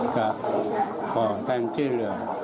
ก็ขอตามช่วยเหลือ